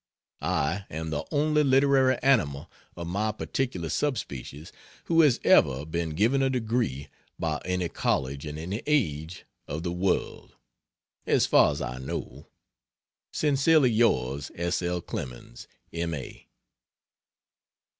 I am the only literary animal of my particular subspecies who has ever been given a degree by any College in any age of the world, as far as I know. Sincerely Yours S. L. Clemens M. A.